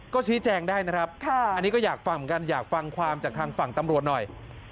ก็ชี้แจงได้นะครับอันนี้ก็อยากฟังเหมือนกันอยากฟังความจากทางฝั่งตำรวจหน่อย